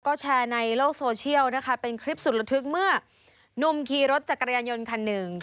ก็แชร์ในโลกโซเชียลนะคะเป็นคลิปสุดระทึกเมื่อนุ่มขี่รถจักรยานยนต์คันหนึ่ง